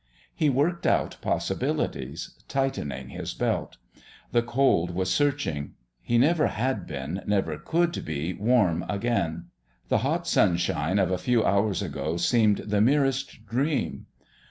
He worked out possibilities, tightening his belt. The cold was searching; he never had been, never could be warm again; the hot sunshine of a few hours ago seemed the merest dream.